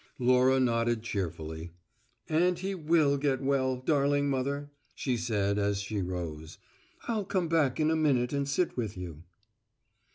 Laura nodded cheerfully. "And he will get well, darling mother," she said, as she rose. "I'll come back in a minute and sit with you."